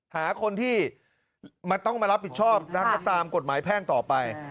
หาคนที่ต้องมารับผิดชอบนะครับตามกฎหมายแพ่งต่อไป